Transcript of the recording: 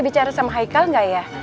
bicara sama haikal nggak ya